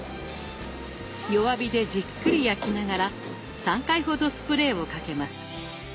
弱火でじっくり焼きながら３回ほどスプレーをかけます。